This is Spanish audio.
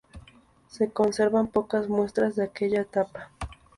Se conservan pocas muestras de aquella etapa.